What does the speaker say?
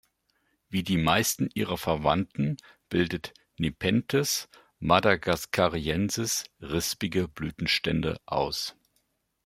Wie die meisten ihrer Verwandten bildet "Nepenthes madagascariensis" rispige Blütenstände aus.